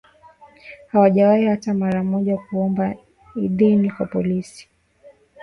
Hawajawahi hata mara moja kuomba idhini kwa polisi